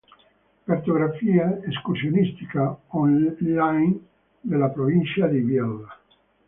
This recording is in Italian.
Cartografia escursionistica on-line della Provincia di Biella